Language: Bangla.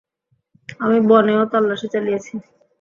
আমি বনেও তল্লাশি চালিয়েছি।